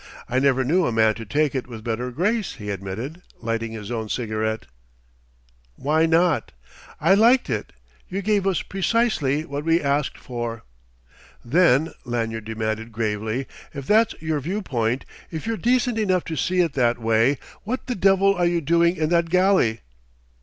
"I never knew a man to take it with better grace," he admitted, lighting his own cigarette. "Why not! I liked it: you gave us precisely what we asked for." "Then," Lanyard demanded gravely, "if that's your viewpoint, if you're decent enough to see it that way what the devil are you doing in that galley?"